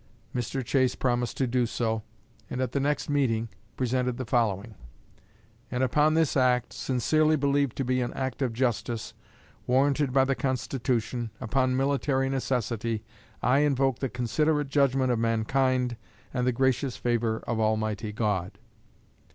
Mr. Chase promised to do so, and at the next meeting presented the following: "And upon this act, sincerely believed to be an act of justice, warranted by the Constitution, upon military necessity, I invoke the considerate judgment of mankind and the gracious favor of Almighty God."